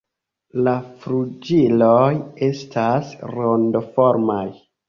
La flugiloj estas rondoformaj.